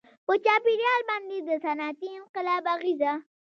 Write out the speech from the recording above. • په چاپېریال باندې د صنعتي انقلاب اغېزه.